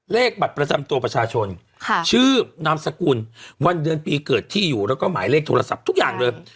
เลขบัตรประจำตัวประชาชนชื่อนามสกุลวันเดือนปีเกิดที่อยู่แล้วก็หมายเลขโทรศัพท์ทุกอย่างเลย